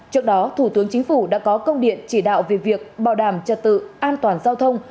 trước đó thủ tướng chính phủ đã có công điện chỉ đạo về việc bảo đảm trật tự an toàn giao thông